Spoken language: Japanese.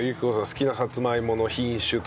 好きなさつまいもの品種とかは。